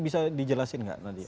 bisa dijelasin nggak nadia